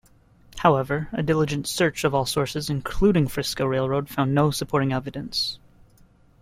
However a diligent search of all sources including Frisco Railroad, found no supporting evidence.